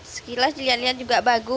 sekilas dilihat lihat juga bagus